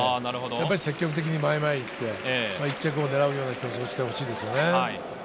積極的に前に前に行って１着を狙うようなレースをしてほしいです。